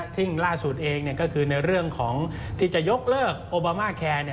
ซึ่งล่าสุดเองก็คือในเรื่องของที่จะยกเลิกโอบามาแคร์